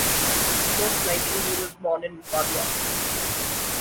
Most likely he was born in Padua.